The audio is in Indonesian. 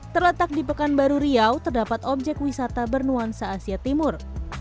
terletak di pekanbaru riau terdapat objek wisata bernuansa asia timur